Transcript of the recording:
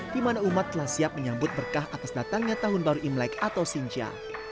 di mana umat telah siap menyambut berkah atas datangnya tahun baru imlek atau sinja